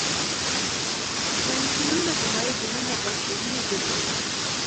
مالیکولونه د مایع د ننه ګاز پوکڼۍ جوړوي.